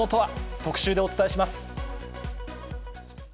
特集でお伝えします。